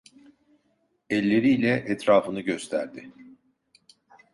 Elleriyle etrafını gösterdi...